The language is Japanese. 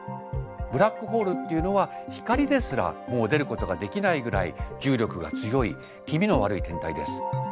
ブラックホールっていうのは光ですらもう出ることができないぐらい重力が強い気味の悪い天体です。